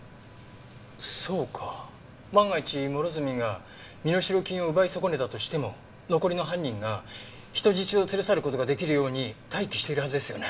そうか万が一諸角が身代金を奪い損ねたとしても残りの犯人が人質を連れ去る事が出来るように待機しているはずですよね。